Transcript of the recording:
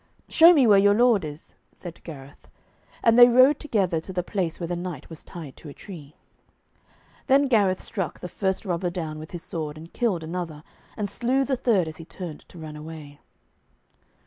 'Show me where your lord is,' said Gareth. And they rode together to the place where the knight was tied to a tree. Then Gareth struck the first robber down with his sword, and killed another, and slew the third as he turned to run away.